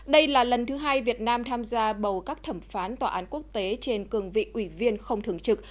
đây là lần thứ hai việt nam tham gia bầu các thẩm phán tòa án quốc tế trên cường vị ủy viên không thường trực